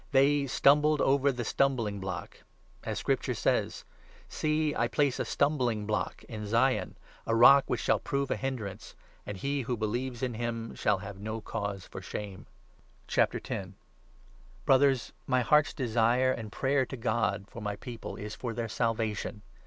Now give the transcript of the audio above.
They stumbled over ' the Stumbling block.' As Scripture says — 33 ' See, I place a Stumbling block in Zion — a Rock which shall prove a hindrance ; And he who believes in him shall have no cause for shame.' Brothers, my heart's desire and prayer to God for my People i is for their Salvation.